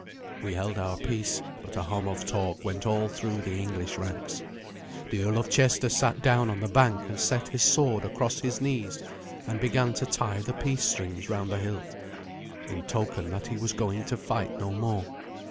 We held our peace, but a hum of talk went all through the English ranks. The Earl of Chester sat down on the bank, and set his sword across his knees, and began to tie the peace strings round the hilt, in token that he was going to fight no more.